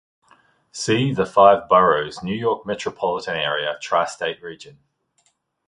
"See: The Five Boroughs, New York metropolitan area, Tri-State Region"